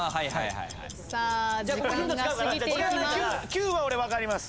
９は俺分かります。